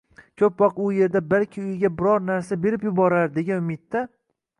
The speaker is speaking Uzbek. Ko'p vaqt u yerda «balki uyiga biror narsa berib yuborar», degan umidda